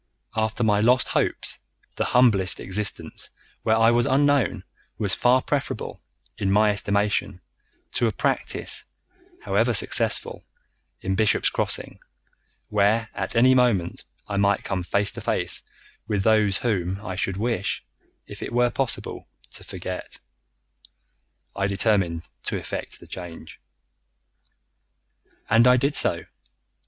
After my lost hopes, the humblest existence where I was unknown was far preferable, in my estimation, to a practice, however successful, in Bishop's Crossing, where at any moment I might come face to face with those whom I should wish, if it were possible, to forget. I determined to effect the change. "And I did so.